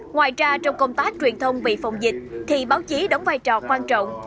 ngoài ra trong công tác truyền thông về phòng dịch thì báo chí đóng vai trò quan trọng